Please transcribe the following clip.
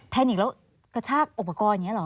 แทนิกแล้วกระชากอุปกรณ์อย่างนี้เหรอ